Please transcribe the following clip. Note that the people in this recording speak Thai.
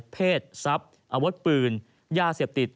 เพศซับอวดปืนยาเสียบติด